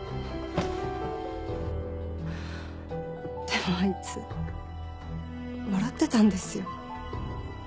でもあいつ笑ってたんですよ。